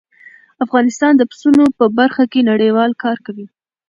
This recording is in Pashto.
افغانستان د پسونو په برخه کې نړیوال کار کوي.